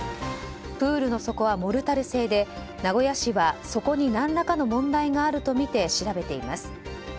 プールの底はモルタル製で名古屋市は、底に何らかの問題があるとみて調べています。